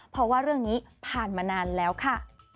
เพราะว่าเรื่องนี้ผ่านมานานแล้วค่ะ